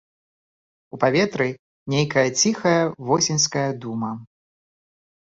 У паветры нейкая ціхая восеньская дума.